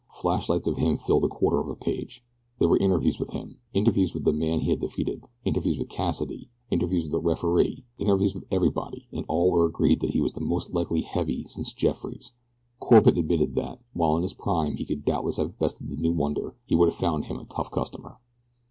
Flashlights of him filled a quarter of a page. There were interviews with him. Interviews with the man he had defeated. Interviews with Cassidy. Interviews with the referee. Interviews with everybody, and all were agreed that he was the most likely heavy since Jeffries. Corbett admitted that, while in his prime he could doubtless have bested the new wonder, he would have found him a tough customer.